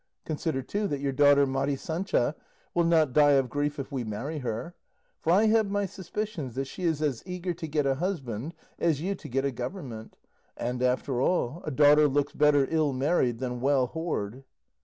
Consider, too, that your daughter Mari Sancha will not die of grief if we marry her; for I have my suspicions that she is as eager to get a husband as you to get a government; and, after all, a daughter looks better ill married than well whored."